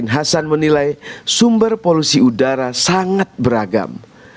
hasan menilai sumber polusi udara sangat beragam